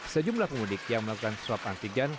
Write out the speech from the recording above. sejumlah pemudik yang melakukan swab antigen